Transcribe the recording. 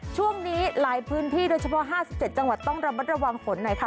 ช่วงนี้หลายพื้นที่โดยเฉพาะห้าสิบเจ็ดจังหวัดต้องระวังผลหน่อยค่ะ